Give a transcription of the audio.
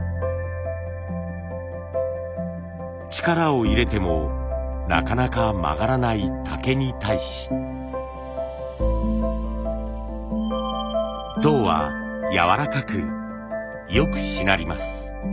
力を入れてもなかなか曲がらない竹に対し。籐はやわらかくよくしなります。